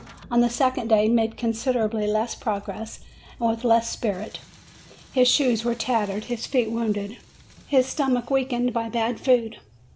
On the second day he made considerably less progress, and with less spirit. His shoes were tattered, his feet wounded, his stomach weakened by bad food.